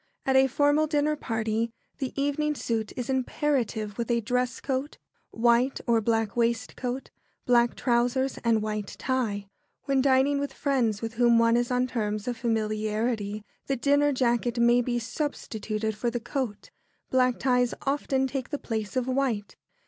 At a formal dinner party the evening suit is imperative, with dress coat, white or black waistcoat, black trousers, and white tie. When dining with friends with whom one is on terms of familiarity, the dinner jacket may be substituted for the coat. Black ties often take the place of white.